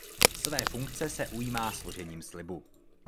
Své funkce se ujímá složením slibu.